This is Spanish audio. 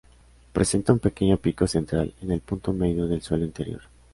Presenta un pequeño pico central en el punto medio del suelo interior.